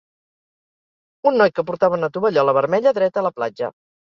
Un noi que porta una tovallola vermella dret a la platja.